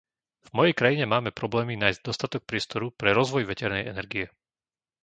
V mojej krajine máme problémy nájsť dostatok priestoru pre rozvoj veternej energie.